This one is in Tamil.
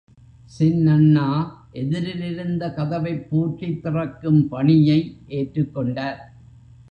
சின்னண்ணா எதிரிலிருந்த கதவைப் பூட்டித் திறக்கும் பணியை ஏற்றுக்கொண்டார்.